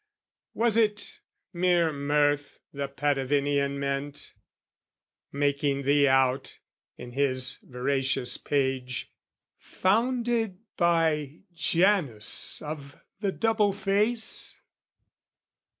Was it mere mirth the Patavinian meant, Making thee out, in his veracious page, Founded by Janus of the Double Face?